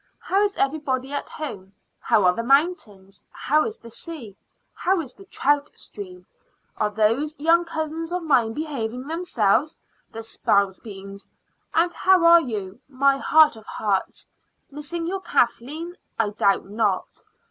How is everybody at home? How are the mountains? How is the sea? How is the trout stream? Are those young cousins of mine behaving themselves, the spalpeens? And how are you, my heart of hearts missing your Kathleen, I doubt not?